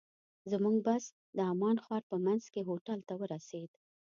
زموږ بس د عمان ښار په منځ کې هوټل ته ورسېد.